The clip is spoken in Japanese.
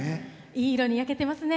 いい色に焼けてますね。